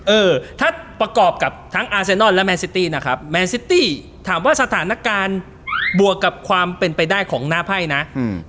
เออถ้าประกอบกับทั้งอาเซนอนและแมนซิตี้นะครับแมนซิตี้ถามว่าสถานการณ์บวกกับความเป็นไปได้ของหน้าไพ่นะอืม